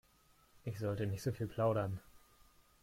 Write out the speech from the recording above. Ich sollte nicht so viel plaudern.